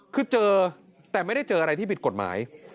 คือเจอแต่ไม่ได้เจออะไรที่ผิดกฎหมาย